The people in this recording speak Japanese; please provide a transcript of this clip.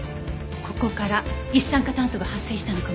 ここから一酸化炭素が発生したのかも。